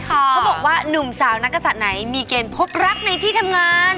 เขาบอกว่านุ่มสาวนักศัตริย์ไหนมีเกณฑ์พบรักในที่ทำงาน